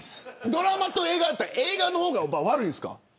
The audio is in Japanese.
ドラマと映画だったら映画の方が悪いですか。